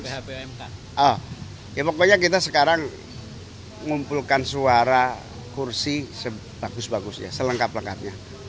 ya pokoknya kita sekarang ngumpulkan suara kursi sebagus bagusnya selengkap lengkapnya